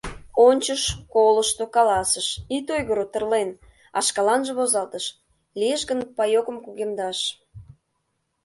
Ончыш, колышто, каласыш: «Ит ойгыро, тырлен» А шкаланже возалтыш: «Лиеш гын, паёкым кугемдаш».